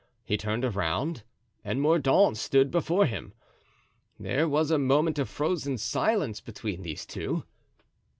He turned around and Mordaunt stood before him. There was a moment of frozen silence between these two.